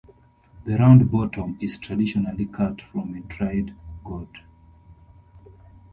The round bottom is traditionally cut from a dried gourd.